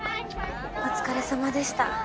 お疲れさまでした。